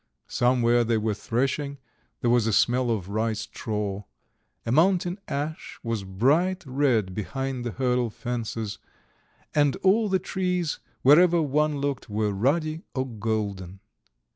Somewhere they were threshing; there was a smell of rye straw. A mountain ash was bright red behind the hurdle fences, and all the trees wherever one looked were ruddy or golden.